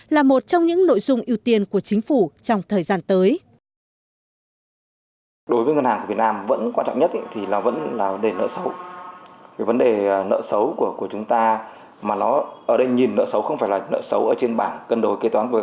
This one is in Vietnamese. là một trong những nội dung ưu tiên của chính phủ trong thời gian tới